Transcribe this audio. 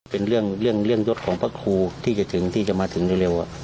เป็นเรื่องเรื่องเรื่องยศของพระครูที่จะถึงที่จะมาถึงเร็วเร็วอ่ะ